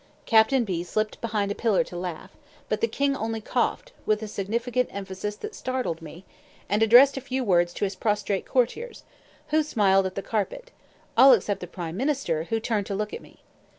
Captain B slipped behind a pillar to laugh; but the king only coughed, with a significant emphasis that startled me, and addressed a few words to his prostrate courtiers, who smiled at the carpet, all except the prime minister, who turned to look at me.